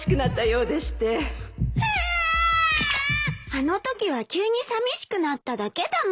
あのときは急にさみしくなっただけだもん。